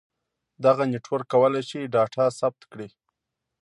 دغه نیټورک کولای شي ډاټا ثبت کړي.